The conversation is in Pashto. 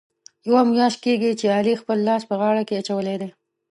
یوه میاشت کېږي، چې علي خپل لاس په غاړه کې اچولی دی.